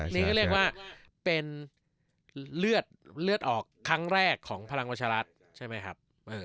นี่ก็เรียกว่าเป็นเลือดออกครั้งแรกของพลังประชารัฐใช่ไหมครับ